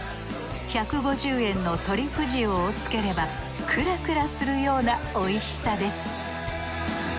１５０円のトリュフ塩をつければくらくらするようなおいしさです